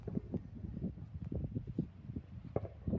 সে মিথ্যা বলছে, পাপ্পু!